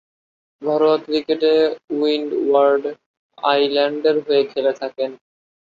ঘরোয়া ক্রিকেটে উইন্ডওয়ার্ড আইল্যান্ডের হয়ে খেলে থাকেন।